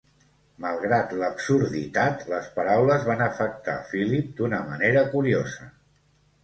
Malgrat l'absurditat, les paraules van afectar Philip d'una manera curiosa.